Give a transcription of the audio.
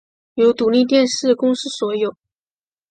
由独立电视公司所有。